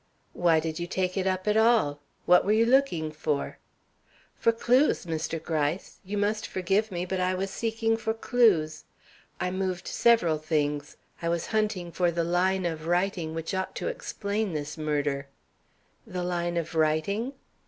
"Why did you take it up at all? What were you looking for?" "For clews, Mr. Gryce. You must forgive me, but I was seeking for clews. I moved several things. I was hunting for the line of writing which ought to explain this murder." "The line of writing?"